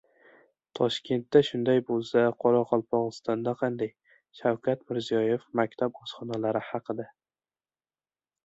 “Toshkentda shunday bo‘lsa, Qoraqalpog‘istonda qanday?” — Shavkat Mirziyoyev maktab oshxonalari haqida